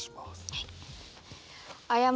はい。